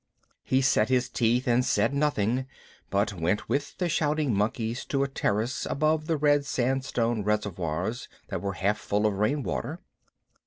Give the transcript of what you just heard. He set his teeth and said nothing, but went with the shouting monkeys to a terrace above the red sandstone reservoirs that were half full of rain water.